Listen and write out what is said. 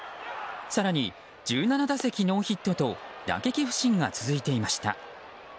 更に、１７打席ノーヒットと打撃不振が続いていました。